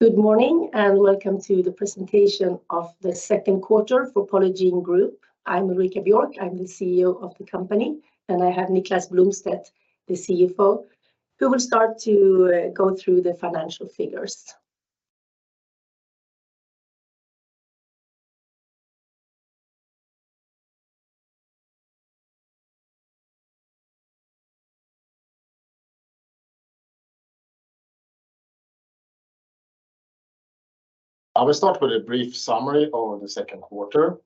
Good morning, welcome to the presentation of the second quarter for Polygiene Group. I'm Ulrika Björk, I'm the CEO of the company, and I have Niklas Blomstedt, the CFO, who will start to go through the financial figures. I will start with a brief summary over the second quarter.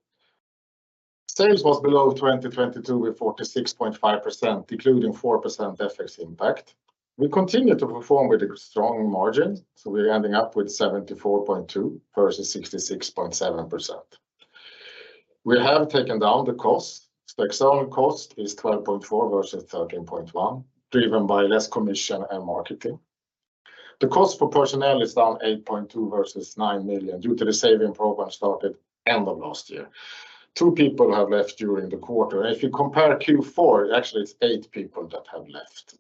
Sales was below 2022 with 46.5%, including 4% FX impact. We continue to perform with a strong margin, we're ending up with 74.2% versus 66.7%. We have taken down the cost. The external cost is 12.4 versus 13.1, driven by less commission and marketing. The cost for personnel is down 8.2 versus 9 million, due to the saving program started end of last year. Two people have left during the quarter, if you compare Q4, actually it's eight people that have left.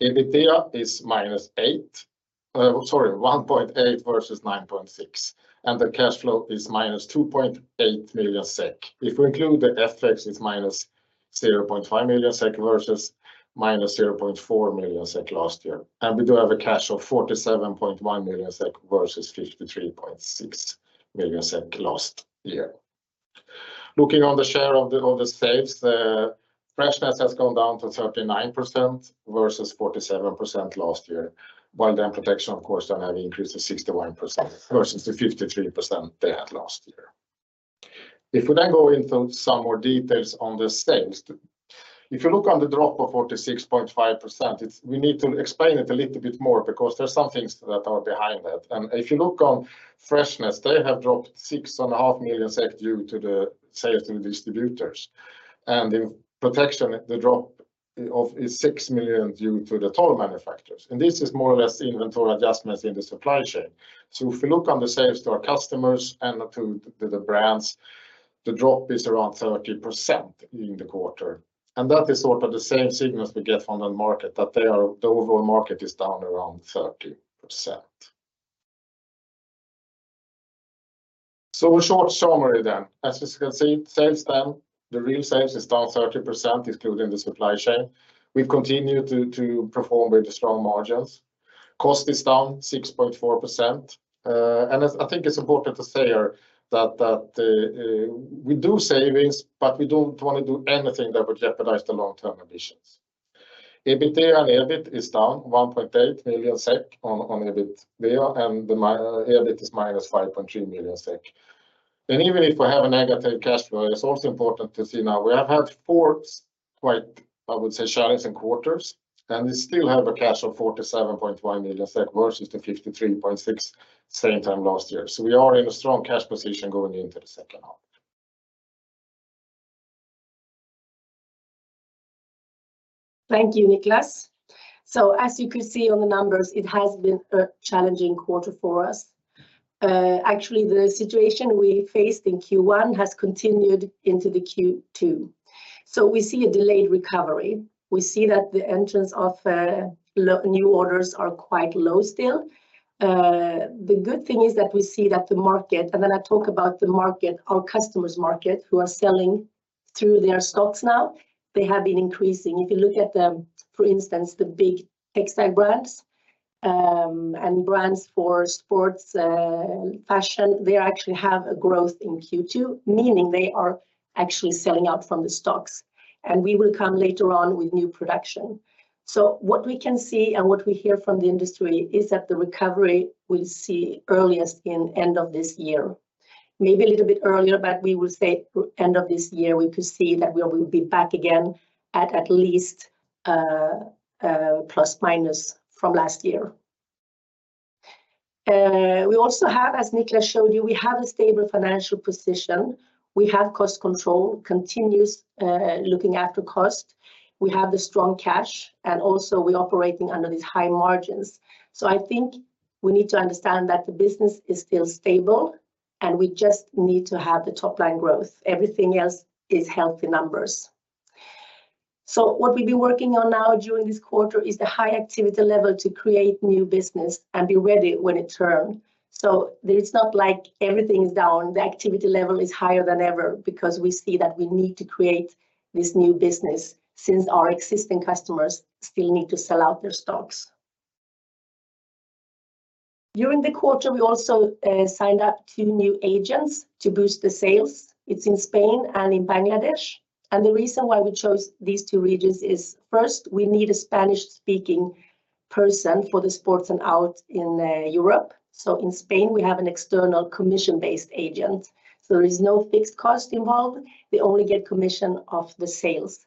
EBITDA is minus 1.8 versus 9.6, the cash flow is minus 2.8 million SEK. If we include the FX, it's -0.5 million SEK versus -0.4 million SEK last year, and we do have a cash of 47.1 million SEK versus 53.6 million SEK last year. Looking on the share of the sales, the Freshness has gone down to 39% versus 47% last year. While the protection, of course, then have increased to 61% versus the 53% they had last year. If we then go into some more details on the sales, if you look on the drop of 46.5%, we need to explain it a little bit more because there's some things that are behind that. If you look on Freshness, they have dropped six and a half million SEK due to the sales to the distributors. In protection, the drop of is 6 million due to the total manufacturers, and this is more or less the inventory adjustments in the supply chain. If you look on the sales to our customers and to the brands, the drop is around 30% in the quarter, and that is sort of the same signals we get from the market. The overall market is down around 30%. A short summary. As you can see, sales down, the real sales is down 30%, including the supply chain. We've continued to perform with the strong margins. Cost is down 6.4%. I think it's important to say here that we do savings, but we don't wanna do anything that would jeopardize the long-term ambitions. EBITDA and EBIT is down 1.8 million SEK on EBITDA, and my EBIT is -5.3 million SEK. Even if we have a negative cash flow, it's also important to see now we have had four quite, I would say, challenging quarters, and we still have a cash of 47.1 million SEK versus 53.6 million same time last year. We are in a strong cash position going into the second half. Thank you, Niklas. As you can see on the numbers, it has been a challenging quarter for us. Actually, the situation we faced in Q1 has continued into the Q2, so we see a delayed recovery. We see that the entrance of new orders are quite low still. The good thing is that we see that the market, and when I talk about the market, our customers' market, who are selling through their stocks now, they have been increasing. If you look at the, for instance, the big textile brands, and brands for sports, fashion, they actually have a growth in Q2, meaning they are actually selling out from the stocks, and we will come later on with new production. What we can see and what we hear from the industry is that the recovery we'll see earliest in end of this year, maybe a little bit earlier, but we will say end of this year, we could see that we will be back again at least plus, minus from last year. We also have, as Niklas showed you, we have a stable financial position. We have cost control, continuous looking after cost. We have the strong cash. Also we're operating under these high margins. I think we need to understand that the business is still stable, and we just need to have the top line growth. Everything else is healthy numbers. What we've been working on now during this quarter is the high activity level to create new business and be ready when it turn. It's not like everything is down. The activity level is higher than ever because we see that we need to create this new business, since our existing customers still need to sell out their stocks. During the quarter, we also signed up two new agents to boost the sales. It's in Spain and in Bangladesh, and the reason why we chose these two regions is, first, we need a Spanish-speaking person for the sports and out in Europe. In Spain, we have an external commission-based agent, so there is no fixed cost involved. They only get commission of the sales.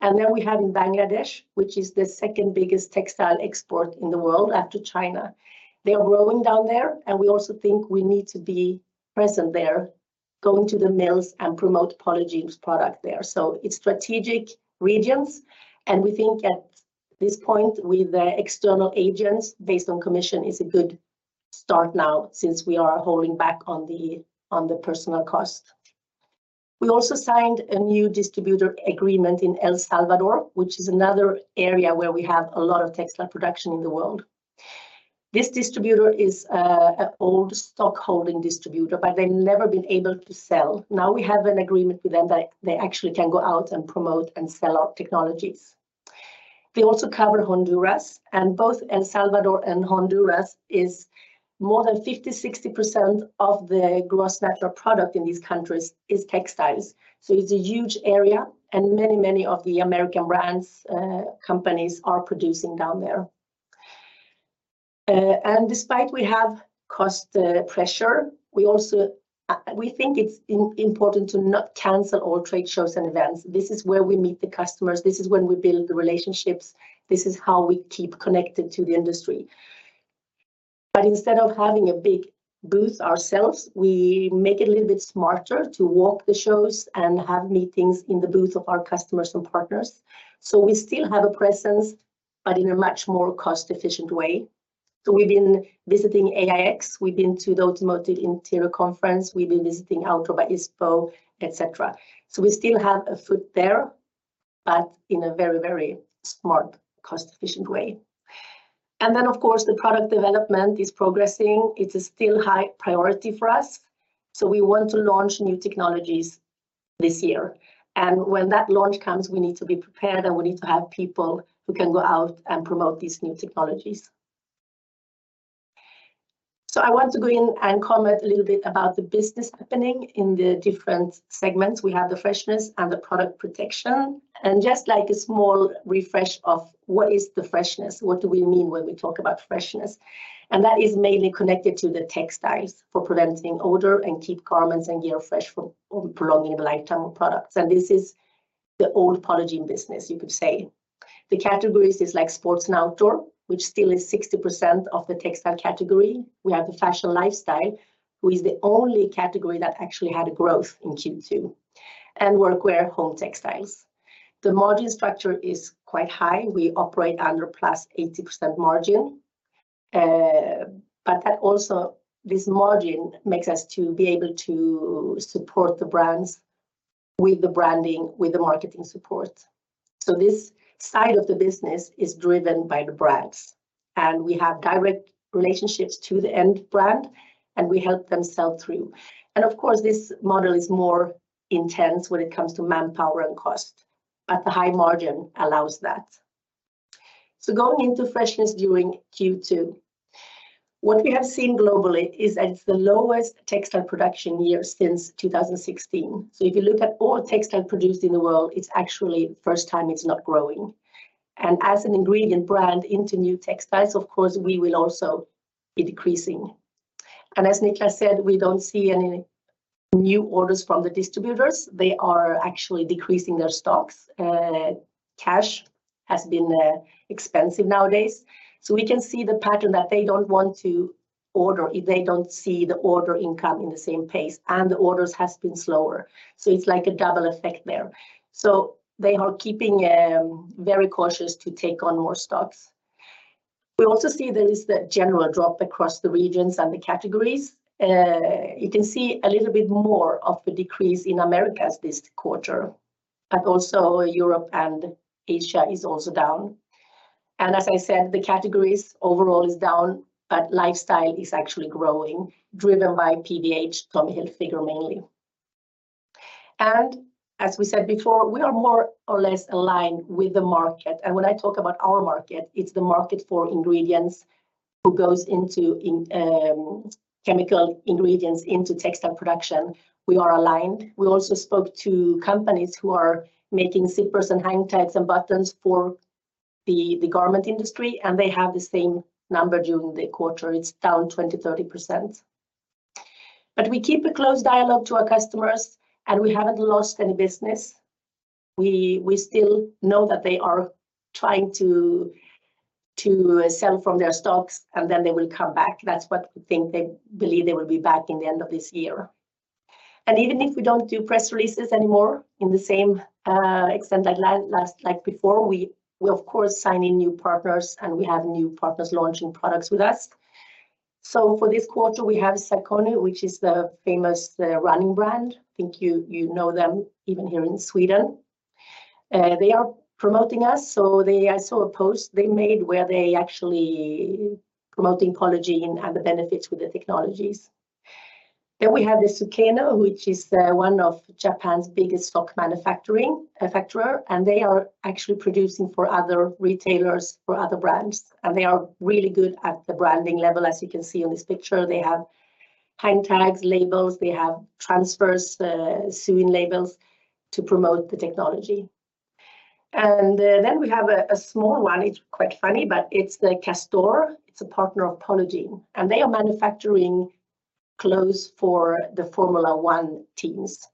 Then we have in Bangladesh, which is the second biggest textile export in the world after China. They are growing down there, and we also think we need to be present there, going to the mills and promote Polygiene's product there. It's strategic regions, and we think at this point, with the external agents, based on commission, is a good start now, since we are holding back on the personal cost. We also signed a new distributor agreement in El Salvador, which is another area where we have a lot of textile production in the world. This distributor is an old stock holding distributor, but they've never been able to sell. We have an agreement with them that they actually can go out and promote and sell our technologies. They also cover Honduras. Both El Salvador and Honduras is more than 50%, 60% of the gross natural product in these countries is textiles. It's a huge area, and many, many of the American brands, companies are producing down there. Despite we have cost pressure, we also, we think it's important to not cancel all trade shows and events. This is where we meet the customers. This is when we build the relationships. This is how we keep connected to the industry. Instead of having a big booth ourselves, we make it a little bit smarter to walk the shows and have meetings in the booth of our customers and partners. We still have a presence, but in a much more cost-efficient way. We've been visiting AIX, we've been to the Automotive Interiors Conference, we've been visiting OutDoor by ISPO, et cetera. We still have a foot there, but in a very, very smart, cost-efficient way. Of course, the product development is progressing. It is still high priority for us, so we want to launch new technologies this year. When that launch comes, we need to be prepared, and we need to have people who can go out and promote these new technologies. I want to go in and comment a little bit about the business happening in the different segments. We have the Freshness and the product protection, and just like a small refresh of what is the Freshness, what do we mean when we talk about Freshness? That is mainly connected to the textiles for preventing odor and keep garments and gear fresh for, or prolonging the lifetime of products. This is the old Polygiene business, you could say. The categories is like sports and outdoor, which still is 60% of the textile category. We have the fashion lifestyle, who is the only category that actually had a growth in Q2, and workwear, home textiles. The margin structure is quite high. We operate under +80% margin. But that also, this margin makes us to be able to support the brands with the branding, with the marketing support. This side of the business is driven by the brands, and we have direct relationships to the end brand, and we help them sell through. Of course, this model is more intense when it comes to manpower and cost, but the high margin allows that. Going into freshness during Q2, what we have seen globally is that it's the lowest textile production year since 2016. If you look at all textile produced in the world, it's actually the first time it's not growing. As an ingredient brand into new textiles, of course, we will also be decreasing. As Niklas said, we don't see any new orders from the distributors. They are actually decreasing their stocks. Cash has been expensive nowadays. We can see the pattern that they don't want to order if they don't see the order income in the same pace. The orders has been slower. It's like a double effect there. They are keeping very cautious to take on more stocks. We also see there is the general drop across the regions and the categories. You can see a little bit more of the decrease in Americas this quarter. Also Europe and Asia is also down. As I said, the categories overall is down. Lifestyle is actually growing, driven by PVH, Tommy Hilfiger, mainly. As we said before, we are more or less aligned with the market. When I talk about our market, it's the market for ingredients who goes into chemical ingredients into textile production. We are aligned. We also spoke to companies who are making zippers and hang tags and buttons for the garment industry. They have the same number during the quarter. It's down 20%-30%. We keep a close dialogue to our customers, and we haven't lost any business. We still know that they are trying to sell from their stocks, and then they will come back. That's what we think. They believe they will be back in the end of this year. Even if we don't do press releases anymore in the same extent like last, like before, we will of course, sign in new partners, and we have new partners launching products with us. For this quarter, we have Saucony, which is the famous running brand. I think you know them, even here in Sweden. They are promoting us. I saw a post they made where they actually promoting Polygiene and the benefits with the technologies. We have the Sukeno, which is one of Japan's biggest manufacturer, and they are actually producing for other retailers, for other brands, and they are really good at the branding level. As you can see on this picture, they have hang tags, labels, they have transfers, sewing labels to promote the technology. We have a small one. It's quite funny, but it's the Castore. It's a partner of Polygiene, and they are manufacturing clothes for the Formula One teams.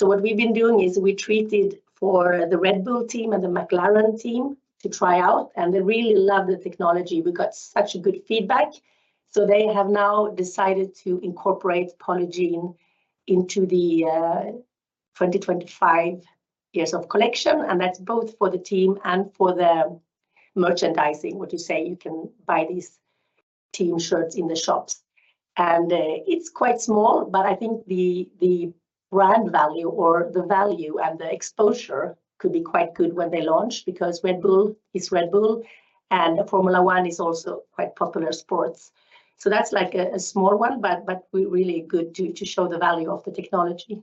What we've been doing is we treated for the Red Bull team and the McLaren team to try out, and they really love the technology. We got such a good feedback, so they have now decided to incorporate Polygiene into the 2025 years of collection, and that's both for the team and for the merchandising. What you say, you can buy team shirts in the shops. It's quite small, but I think the brand value or the value and the exposure could be quite good when they launch, because Red Bull is Red Bull, and Formula One is also quite popular sports. That's like a small one, but we really good to show the value of the technology.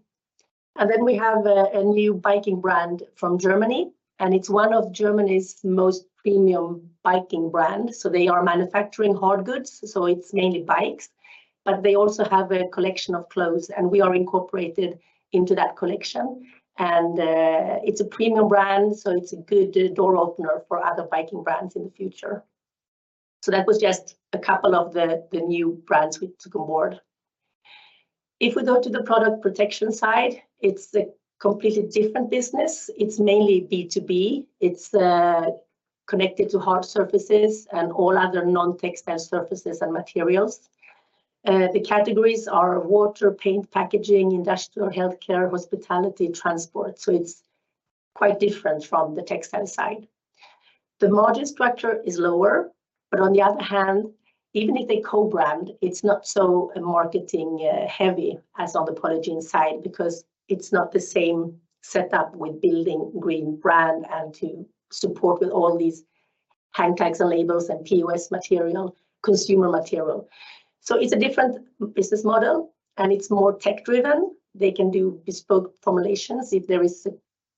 We have a new biking brand from Germany, and it's one of Germany's most premium biking brand. They are manufacturing hard goods, so it's mainly bikes, but they also have a collection of clothes, and we are incorporated into that collection. It's a premium brand, so it's a good door opener for other biking brands in the future. That was just a couple of the new brands we took on board. If we go to the product protection side, it's a completely different business. It's mainly B2B. It's connected to hard surfaces and all other non-textile surfaces and materials. The categories are water, paint, packaging, industrial, healthcare, hospitality, transport, so it's quite different from the textile side. The margin structure is lower, but on the other hand, even if they co-brand, it's not so marketing heavy as on the Polygiene side because it's not the same setup with building green brand and to support with all these hang tags and labels and POS material, consumer material. It's a different business model, and it's more tech-driven. They can do bespoke formulations if there is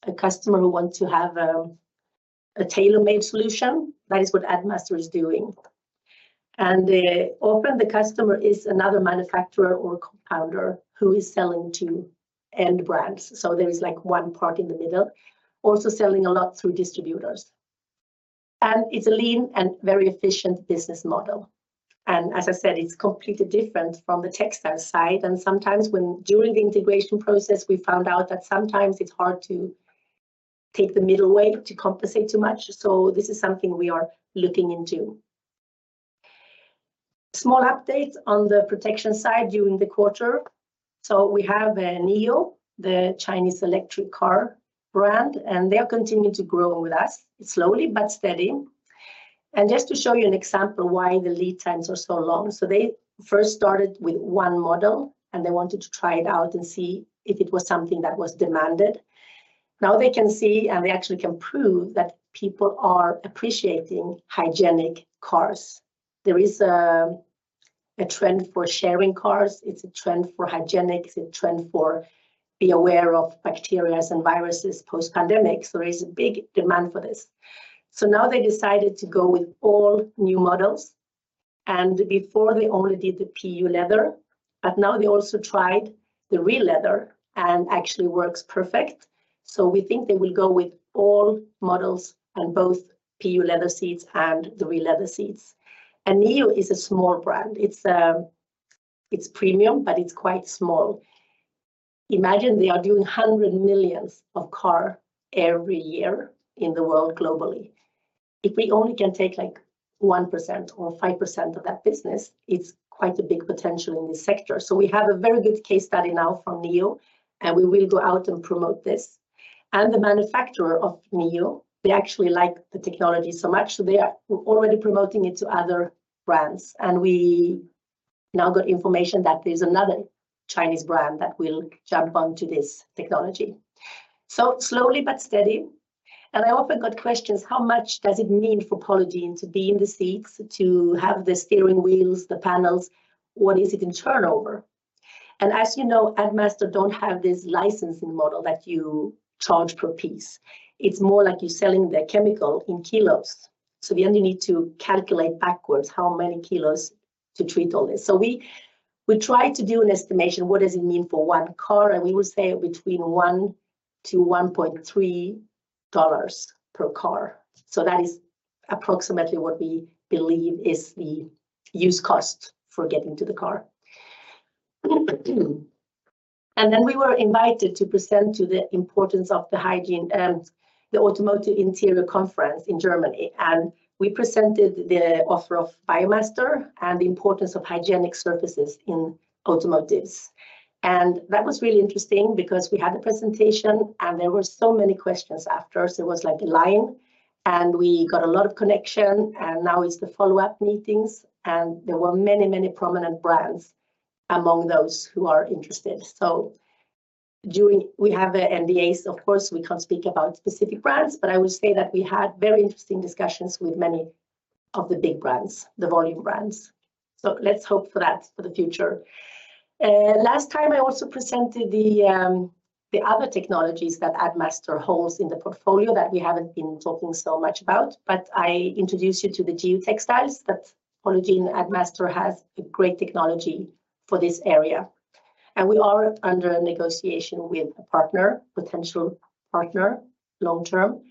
a customer who want to have a tailor-made solution, that is what Addmaster is doing. Often the customer is another manufacturer or compounder who is selling to end brands. There is, like, one part in the middle, also selling a lot through distributors. It's a lean and very efficient business model. As I said, it's completely different from the textile side, and sometimes when during the integration process, we found out that sometimes it's hard to take the middle way to compensate too much, so this is something we are looking into. Small update on the protection side during the quarter. We have NIO, the Chinese electric car brand, and they are continuing to grow with us, slowly but steady. Just to show you an example why the lead times are so long, they first started with one model, and they wanted to try it out and see if it was something that was demanded. Now they can see, and they actually can prove, that people are appreciating hygienic cars. There is a trend for sharing cars. It's a trend for hygienic, it's a trend for be aware of bacterias and viruses post-pandemic, there is a big demand for this. Now they decided to go with all new models, and before they only did the PU leather, but now they also tried the real leather and actually works perfect. We think they will go with all models on both PU leather seats and the real leather seats. NIO is a small brand. It's premium, but it's quite small. Imagine they are doing 100 millions of car every year in the world globally. If we only can take, like, 1% or 5% of that business, it's quite a big potential in this sector. We have a very good case study now from NIO, and we will go out and promote this. The manufacturer of NIO, they actually like the technology so much, so they are already promoting it to other brands, and we now got information that there's another Chinese brand that will jump onto this technology. Slowly but steady, and I often got questions, how much does it mean for Polygiene to be in the seats, to have the steering wheels, the panels? What is it in turnover? As you know, Addmaster don't have this licensing model that you charge per piece. It's more like you're selling the chemical in kilos, so we only need to calculate backwards how many kilos to treat all this. We, we try to do an estimation, what does it mean for one car? We will say between $1 to $1.3 per car. That is approximately what we believe is the use cost for getting to the car. We were invited to present to the importance of the hygiene and the Automotive Interiors Expo in Germany, and we presented the offer of BioMaster and the importance of hygienic surfaces in automotives. That was really interesting because we had a presentation, and there were so many questions after, so it was like a line, and we got a lot of connection, and now it's the follow-up meetings, and there were many, many prominent brands among those who are interested. We have NDAs, of course, we can't speak about specific brands, but I would say that we had very interesting discussions with many of the big brands, the volume brands. Let's hope for that for the future. Last time, I also presented the other technologies that Addmaster holds in the portfolio that we haven't been talking so much about. I introduce you to the geotextiles that Polygiene Addmaster has a great technology for this area. We are under a negotiation with a partner, potential partner, long term.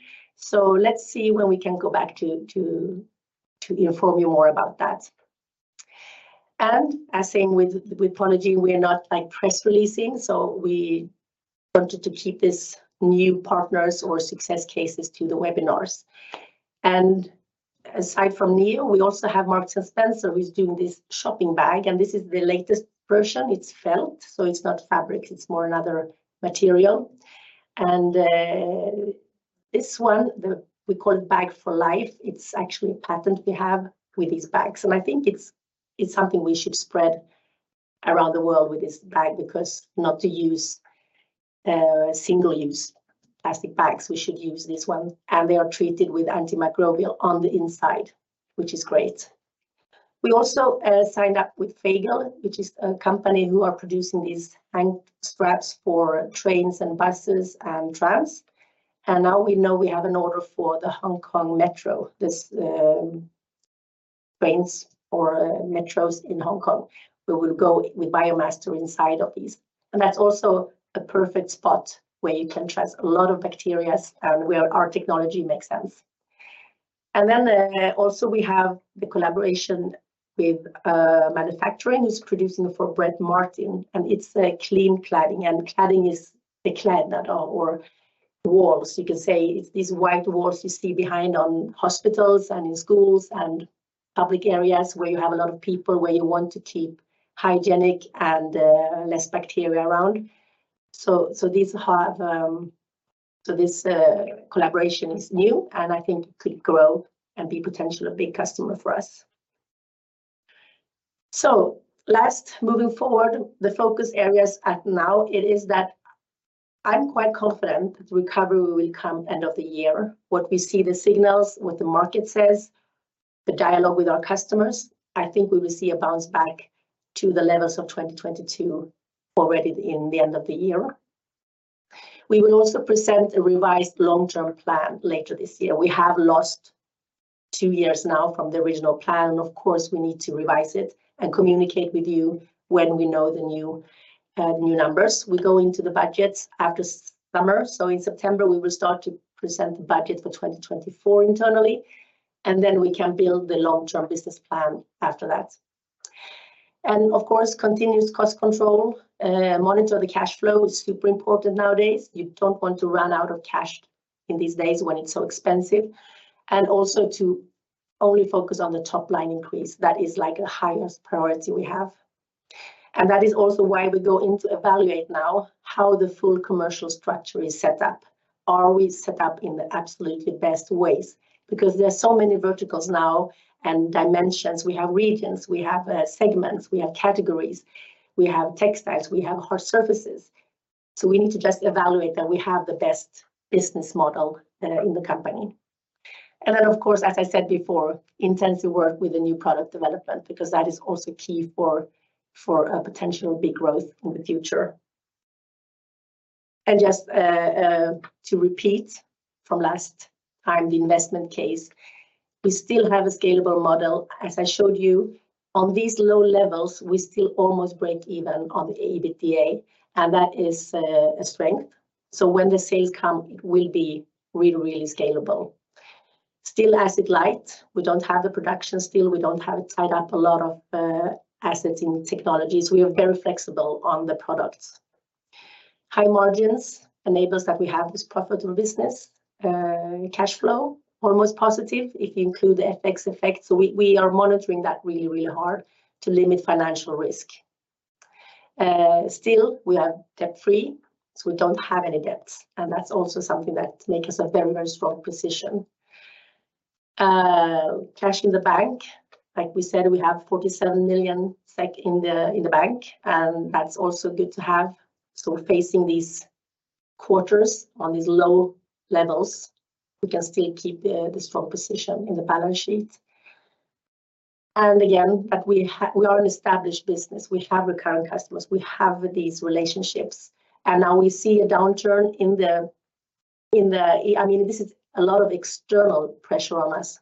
Let's see when we can go back to inform you more about that. As same with Polygiene, we are not, like, press releasing, so we wanted to keep this new partners or success cases to the webinars. Aside from NIO, we also have Marks and Spencer, who's doing this shopping bag, and this is the latest version. It's felt, so it's not fabric, it's more another material. This one, we call it Bag for Life. It's actually a patent we have with these bags, and I think it's something we should spread around the world with this bag, because not to use single-use plastic bags. We should use this one, and they are treated with antimicrobial on the inside, which is great. We also signed up with FAIGEL, which is a company who are producing these hang straps for trains and buses and trams, and now we know we have an order for the Hong Kong Metro. This metros in Hong Kong, we will go with BioMaster inside of these. That's also a perfect spot where you can trust a lot of bacteria and where our technology makes sense. Also we have the collaboration with manufacturing who's producing for Brett Martin, it's a clean cladding is a clad that or walls. You can say, it's these white walls you see behind on hospitals and in schools and public areas where you have a lot of people, where you want to keep hygienic and less bacteria around. This collaboration is new, I think it could grow and be potentially a big customer for us. Moving forward, the focus areas at now it is that I'm quite confident that the recovery will come end of the year. What we see the signals, what the market says, the dialogue with our customers, I think we will see a bounce back to the levels of 2022 already in the end of the year. We will also present a revised long-term plan later this year. We have lost two years now from the original plan. Of course, we need to revise it and communicate with you when we know the new new numbers. We go into the budgets after summer. In September, we will start to present the budget for 2024 internally. Then we can build the long-term business plan after that. Of course, continuous cost control, monitor the cash flow is super important nowadays. You don't want to run out of cash in these days when it's so expensive. Also to only focus on the top-line increase. That is, like, the highest priority we have. That is also why we go in to evaluate now how the full commercial structure is set up. Are we set up in the absolutely best ways? There are so many verticals now and dimensions. We have regions, we have segments, we have categories, we have textiles, we have hard surfaces. We need to just evaluate that we have the best business model in the company. Then, of course, as I said before, intensive work with the new product development, because that is also key for a potential big growth in the future. Just to repeat from last time, the investment case, we still have a scalable model. As I showed you, on these low levels, we still almost break even on the EBITDA, and that is a strength. When the sales come, it will be really, really scalable. Still asset light, we don't have a production still, we don't have it tied up a lot of assets in technologies. We are very flexible on the products. High margins enables that we have this profitable business. Cash flow, almost positive, if you include the FX effect. We are monitoring that really, really hard to limit financial risk. Still, we are debt-free, so we don't have any debts, and that's also something that make us a very, very strong position. Cash in the bank, like we said, we have 47 million SEK in the bank, and that's also good to have. Facing these quarters on these low levels, we can still keep the strong position in the balance sheet. Again, that we are an established business. We have recurring customers, we have these relationships. Now we see a downturn in the, I mean, this is a lot of external pressure on us.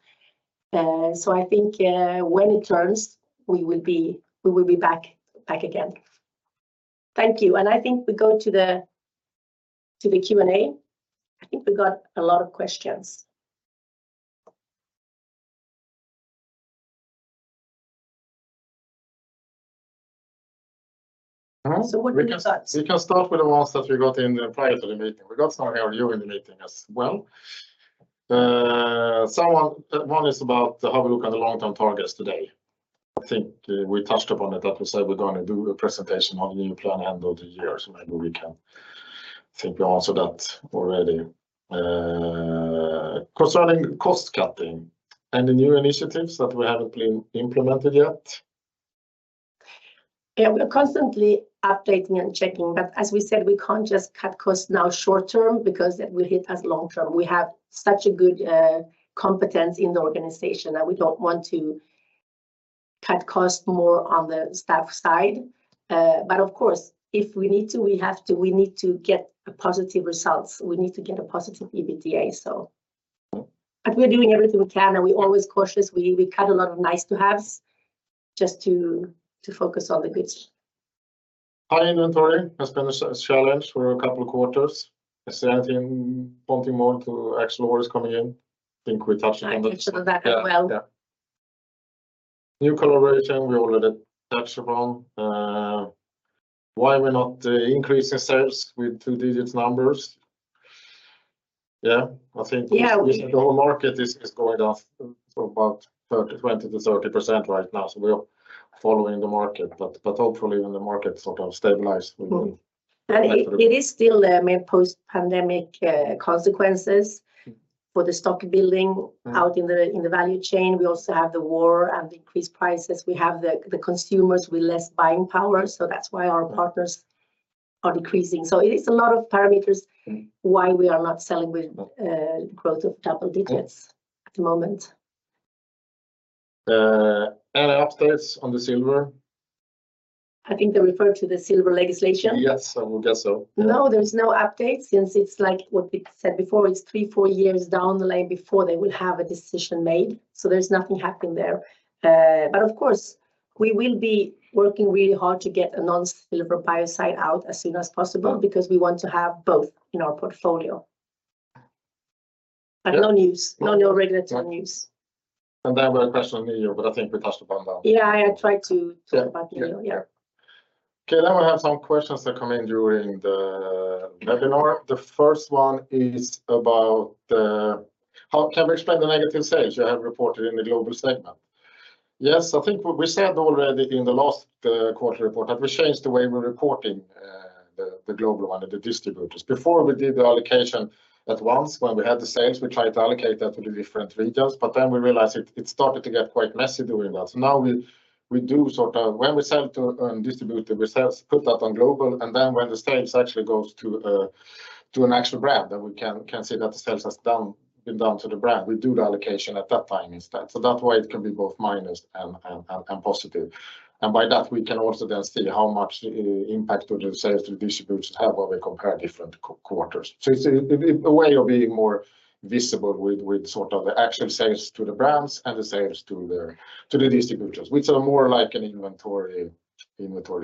I think when it turns, we will be back again. Thank you. I think we go to the Q&A. I think we got a lot of questions. What do you say? We can start with the ones that we got in prior to the meeting. We got some here during the meeting as well. Someone, one is about how we look at the long-term targets today. I think we touched upon it, that we said we're going to do a presentation on the new plan end of the year, maybe we can think we answered that already. Concerning cost cutting and the new initiatives that we haven't implemented yet? We're constantly updating and checking, but as we said, we can't just cut costs now short term because it will hit us long term. We have such a good competence in the organization, and we don't want to cut costs more on the staff side. Of course, if we need to, we have to. We need to get a positive results. We need to get a positive EBITDA. We're doing everything we can, and we're always cautious. We cut a lot of nice to haves just to focus on the goods. High inventory has been a challenge for a couple of quarters. I see anything pointing more to actual orders coming in? I think we touched on that. I touched on that as well. Yeah, yeah. New collaboration, we already touched upon. Why we're not increasing sales with two-digit numbers? Yeah. Yeah The whole market is going off for about 20%-30% right now. We are following the market, but hopefully, when the market sort of stabilize. It is still post-pandemic consequences for the stock building. Mm-hmm. out in the, in the value chain. We also have the war and increased prices. We have the consumers with less buying power, so that's why our partners are decreasing. It is a lot of parameters. Mm. Why we are not selling with, growth of double digits at the moment. Any updates on the silver? I think they refer to the silver legislation? Yes, I would guess so. There's no update, since it's like what we said before, it's three, four years down the line before they will have a decision made, so there's nothing happening there. Of course, we will be working really hard to get a non-silver biocide out as soon as possible, because we want to have both in our portfolio. Yeah. No news. No new regulatory news. Yeah. Then we have a question on NIO, but I think we touched upon that. Yeah, I tried to. Yeah talk about Neo, yeah. Now I have some questions that come in during the webinar. The first one is about, "How can we explain the negative sales you have reported in the global segment?" I think what we said already in the last quarter report, that we changed the way we're reporting the global one and the distributors. Before, we did the allocation at once. When we had the sales, we tried to allocate that to the different regions, we realized it started to get quite messy doing that. Now we do sort of when we sell to distributor, we sales put that on global, when the sales actually goes to an actual brand, then we can say that the sales been down to the brand. We do the allocation at that time instead. That way it can be both minus and positive. By that, we can also then see how much impact all the sales the distributors have when we compare different quarters. It's a way of being more visible with sort of the actual sales to the brands and the sales to the distributors, which are more like an inventory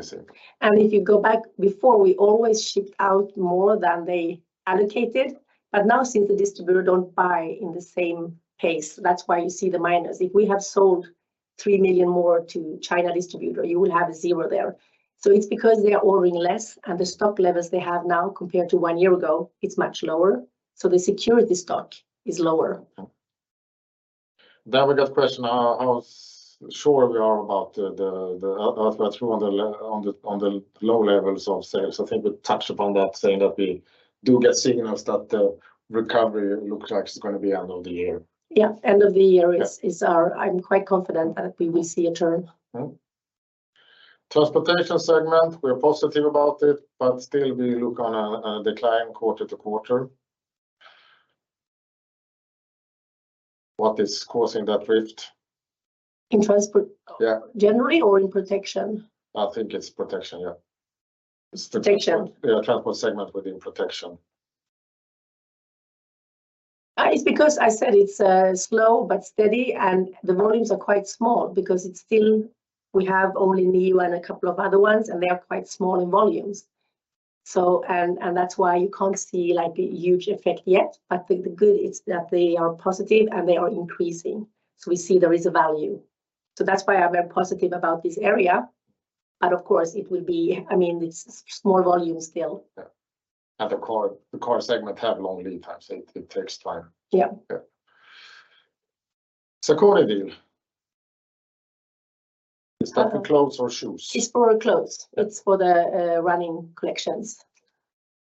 sale. If you go back before, we always shipped out more than they allocated, but now since the distributor don't buy in the same pace, that's why you see the minus. If we have sold 3 million more to China distributor, you will have a zero there. It's because they are ordering less, and the stock levels they have now compared to 1 year ago, it's much lower, so the security stock is lower. Yeah. We got question, how sure we are about the outbreak through on the low levels of sales? I think we touched upon that, saying that we do get signals that the recovery looks like it's gonna be end of the year. Yeah, end of the year. Yeah... is, I'm quite confident that we will see a turn. Transportation segment, we're positive about it, still we look on a decline quarter-to-quarter. What is causing that rift? In transport- Yeah generally or in protection? I think it's protection, yeah. It's the. Protection. Yeah, transport segment within protection. It's because I said it's slow but steady, and the volumes are quite small because it's still, we have only Neo and a couple of other ones, and they are quite small in volumes. And that's why you can't see, like, a huge effect yet, but the good is that they are positive, and they are increasing, so we see there is a value. That's why I'm very positive about this area, but of course, it will be, I mean, it's small volume still. Yeah. The car segment have long lead times. It takes time. Yeah. Yeah. Saucony deal. Is that for clothes or shoes? It's for clothes. Yeah. It's for the running collections.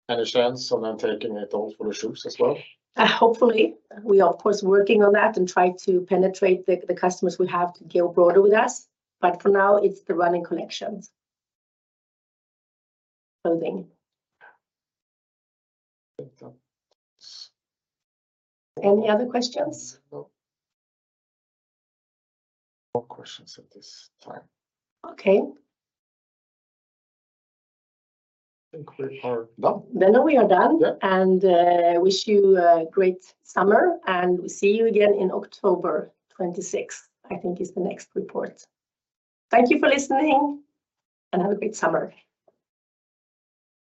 Any chance on them taking it on for the shoes as well? Hopefully. We are of course working on that and try to penetrate the customers we have to go broader with us, but for now, it's the running collections. Clothing. Yeah. Good job. Any other questions? No. No questions at this time. Okay. I think we are done. We are done. Yeah. wish you a great summer, and we see you again in October 26th, I think is the next report. Thank you for listening, and have a great summer!